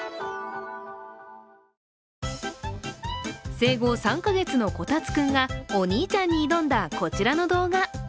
生後３か月のこたつくんがお兄ちゃんに挑んだこちらの動画。